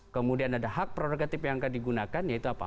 kemudian ada hak prerogatif yang akan digunakan yaitu apa